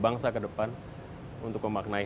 bangsa kedepan untuk memaknai